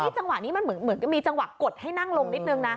จังหวะนี้มันเหมือนกับมีจังหวะกดให้นั่งลงนิดนึงนะ